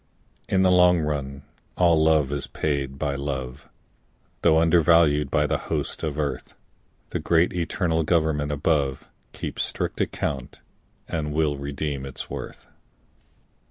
In the long run all love is paid by love, Though undervalued by the hosts of earth; The great eternal Government above Keeps strict account and will redeem its worth.